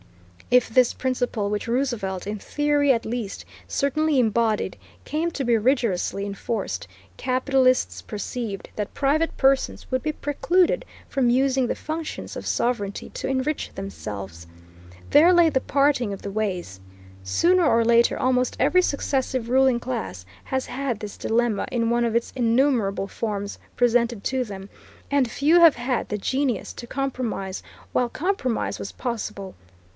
If this principle which Roosevelt, in theory at least, certainly embodied, came to be rigorously enforced, capitalists perceived that private persons would be precluded from using the functions of sovereignty to enrich themselves. There lay the parting of the ways. Sooner or later almost every successive ruling class has had this dilemma in one of its innumerable forms presented to them, and few have had the genius to compromise while compromise was possible.